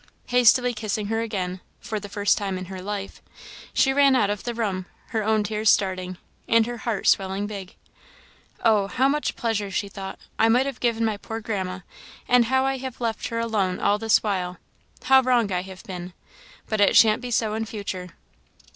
Hastily kissing her again (for the first time in her life), she ran out of the room, her own tears starting, and her heart swelling big. "Oh! how much pleasure," she thought, "I might have given my poor Grandma, and how I have let her alone all this while! How wrong I have been! But it shan't be so in future!"